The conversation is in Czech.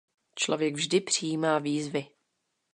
Člověk vždy přijímá výzvy.